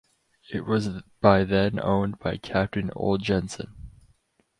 It was by then owned by captain Ole Jensen.